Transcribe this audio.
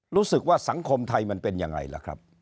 รู้สึกว่าสังคมไทยมันเป็นยังไงล่ะครับ